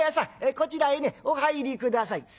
こちらにねお入り下さい」。